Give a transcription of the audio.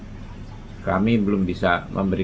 tentang kecurangan pemilu dua ribu dua puluh empat